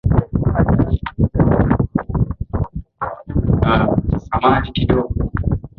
aliyemweka wakfu kuwa askofu kwa ajili ya Waethiopia Hivyo Kanisa